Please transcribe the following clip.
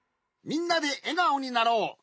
みんなでえがおになろう！